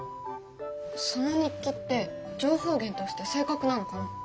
その日記って情報源として正確なのかな？